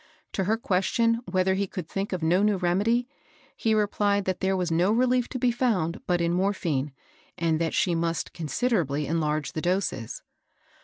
To her question whether he could think of no new remedy, he replied that there was no reUef to be found but in morphine, and that she must considerably enlarge the doses.